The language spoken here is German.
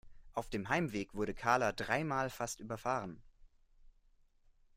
Auf dem Heimweg wurde Karla dreimal fast überfahren.